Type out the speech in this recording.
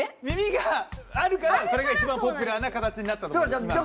耳があるからそれが一番ポピュラーな形になったと思います。